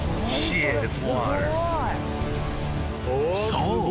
［そう。